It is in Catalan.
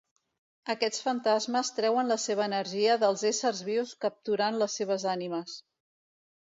Aquests fantasmes treuen la seva energia dels éssers vius capturant les seves ànimes.